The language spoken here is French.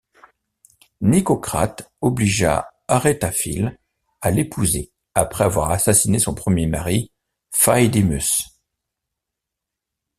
Nicocrates obligea Aretaphile à l’épouser après avoir assassiné son premier mari, Phaedimus.